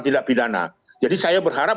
tidak pidana jadi saya berharap